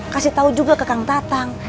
kasih tahu juga ke kang tatang